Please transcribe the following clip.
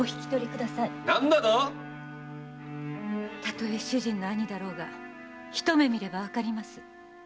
何だと⁉たとえ主人の兄であろうがひと目見ればわかります。